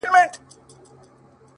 هغه مړ سو اوس يې ښخ كړلو ـ